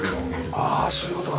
ああそういう事か。